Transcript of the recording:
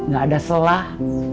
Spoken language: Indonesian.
gak ada selah